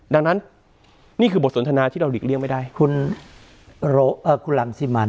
ดังนั้นนี่คือบทสนทนาที่เราหลีกเลี่ยงไว้ได้คุณโรเอ่อคุณลำซิมัน